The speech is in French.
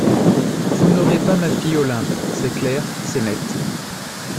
Vous n’aurez pas ma fille Olympe, c’est clair, c’est net…